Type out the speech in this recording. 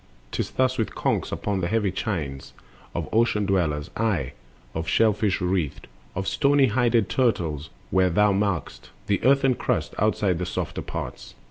'Tis thus with conchs upon the heavy chines Of ocean dwellers, aye, of shell fish wreathed, Or stony hided turtles, where thou mark'st The earthen crust outside the softer parts.